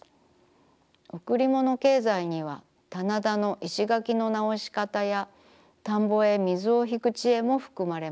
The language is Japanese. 経済には棚田の石垣の直し方や田んぼへ水をひく知恵もふくまれます。